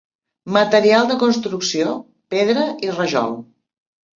Material de construcció: pedra i rajol.